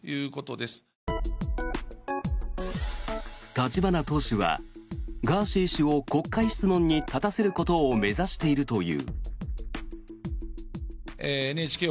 立花党首はガーシー氏を国会質問に立たせることを目指しているという。